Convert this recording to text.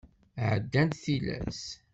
Ɛeddant tilas.